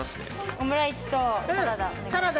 オムライスとサラダ。